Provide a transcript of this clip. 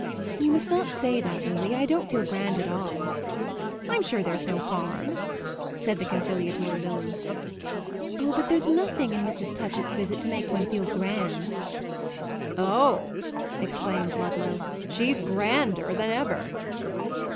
"You must not say that, Lily. I don't feel grand at all." "I'm sure there's no harm," said the conciliatory Lily. "Ah, but there's nothing in Mrs. Touchett's visit to make one feel grand." "Oh," exclaimed Ludlow, "she's grander than ever!"